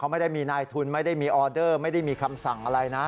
ไม่ได้มีนายทุนไม่ได้มีออเดอร์ไม่ได้มีคำสั่งอะไรนะ